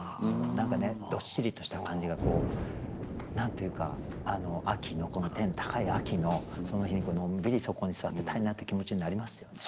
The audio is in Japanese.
何かねどっしりとした感じが何て言うか秋のこの天高い秋のその日にのんびりそこに座ってたいなって気持ちになりますよね。